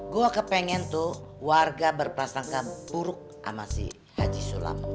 gue kepengen tuh warga berprasangka buruk sama si haji sulam